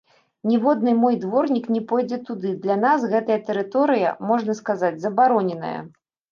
Ніводны мой дворнік не пойдзе туды, для нас гэтая тэрыторыя, можна сказаць, забароненая.